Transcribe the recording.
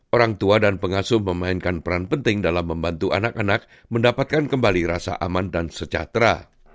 orang tua dan pengasuh memainkan peran penting dalam membantu anak anak mendapatkan kembali rasa aman dan sejahtera